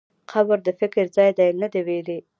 قبر د فکر ځای دی، نه د وېرې.